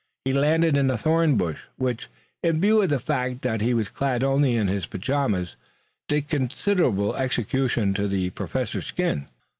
He landed in a thorn bush, which, in view of the fact that he was clad only in his pajamas, did considerable execution to the Professor's skin.